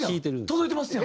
届いてますやん。